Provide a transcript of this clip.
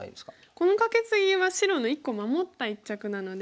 このカケツギは白の１個守った一着なので。